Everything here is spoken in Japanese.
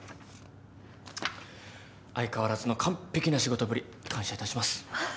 相変わらずの完璧な仕事ぶり感謝いたします。